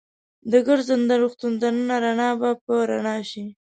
د ګرځنده روغتون دننه رڼا به په رڼا شي.